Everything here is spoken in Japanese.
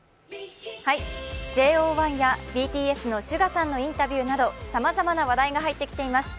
ＪＯ１やＢＴＳのＳＵＧＡさんのインタビューなどさまざまな話題が入ってきています。